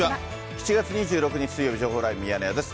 ７月２６日水曜日、情報ライブミヤネ屋です。